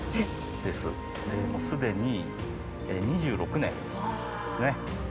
もう既に２６年ですね。